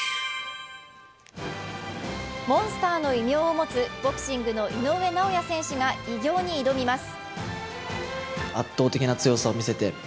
モンスターの異名を持つボクシングの井上尚弥選手が偉業に挑みます。